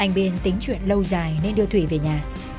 anh biên tính chuyện lâu dài nên đưa thủy về nhà